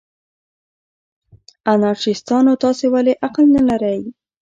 انارشیستانو، تاسې ولې عقل نه لرئ؟